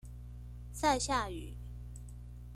賽夏語